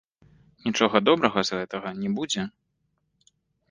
Нічога добрага з гэтага не будзе.